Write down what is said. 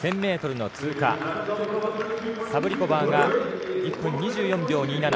１０００ｍの通過、サブリコバーが１分２４秒２７。